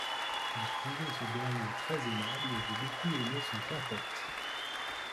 J’ai trouvé ce dernier très aimable et j’ai beaucoup aimé son quintette.